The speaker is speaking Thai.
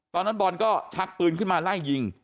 ตอนนั้นบอลก็ชักปืนขึ้นมาไล่ยิง